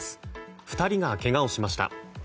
２人がけがをしました。